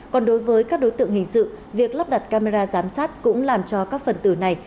còn đối với các đối tượng hình sự việc lắp đặt camera giám sát cũng làm cho các phần tử này